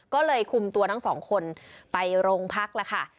ก็เลยคุมตัวทั้งสองคนไปโรงพักแล้วค่ะ